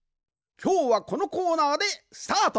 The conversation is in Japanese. きょうはこのコーナーでスタート！